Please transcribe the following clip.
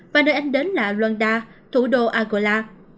và nơi anh đến là luanda thủ đô agola